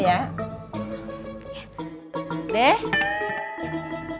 buat minum ya